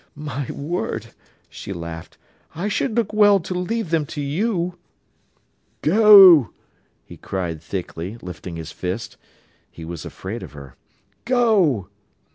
My word," she laughed, "I should look well to leave them to you." "Go," he cried thickly, lifting his fist. He was afraid of her. "Go!"